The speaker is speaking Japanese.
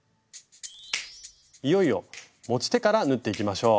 いよいよ持ち手から縫っていきましょう。